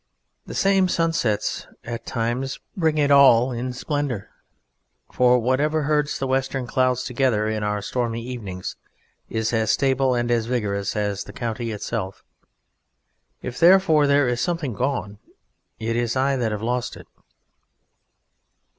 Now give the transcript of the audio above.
The same sunsets at times bring it all in splendour, for whatever herds the western clouds together in our stormy evenings is as stable and as vigorous as the County itself. If, therefore, there is something gone, it is I that have lost it.